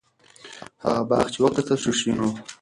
هغه باغ چې وکتل شو، شین و.